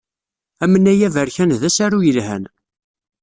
Amnay Aberkan d asaru yelhan.